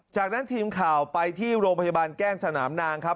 จากนั้นทีมข่าวไปที่โรงพยาบาลแก้งสนามนางครับ